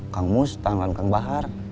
kang mus tanggal kang bahar